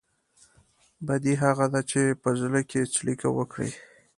بدي هغه ده چې په زړه کې څړيکه وکړي.